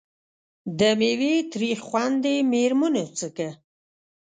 د میوې تریخ خوند یې مېرمنو څکه.